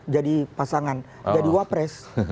jadi pasangan jadi wapres